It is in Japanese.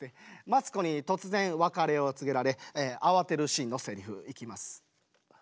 マツコに突然別れを告げられ慌てるシーンのせりふいきます。